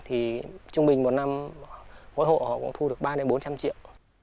thì trung bình một năm mỗi hộ họ cũng thu được ba bốn trăm linh triệu